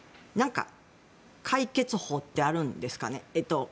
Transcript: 解決法ってあるんですかね。